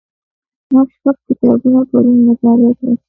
ما شپږ کتابونه پرون مطالعه کړل.